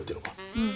うん。